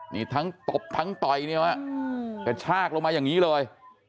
นี่ทั้งตบทั้งต่อยเนี่ยฮะกระชากลงมาอย่างนี้เลย